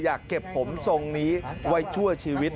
อยากเก็บผมทรงนี้ไว้ชั่วชีวิต